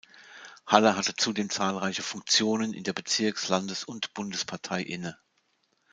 Haller hatte zudem zahlreiche Funktionen in der Bezirks-, Landes- und Bundespartei inne.